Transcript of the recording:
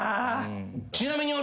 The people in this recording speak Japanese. ちなみに俺。